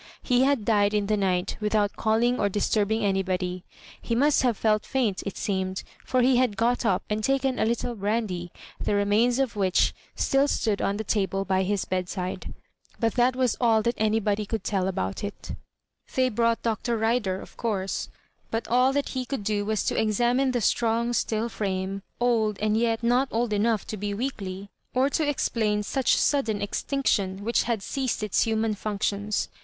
He had died in the night without calling or disturbing anybody. He must have felt famt, it seismed, for he had got up and taken a littie brandy, the remains of which BtiU stood on the table by his bedside ; but that was all that anybody could tell about it They brought Dr. Rider, of course ; but all that he could do was to examine the strong, still frame, old, and yet not old enough to be weakly, or to explain such sudden extinction, which had ceased its human functions.